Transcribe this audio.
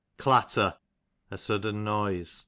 Clatter, a sudden noise.